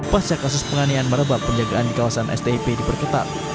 pasca kasus penganiayaan merebak penjagaan di kawasan stip diperketat